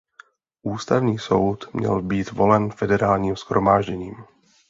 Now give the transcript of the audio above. Ústavní soud měl být volen Federálním shromážděním.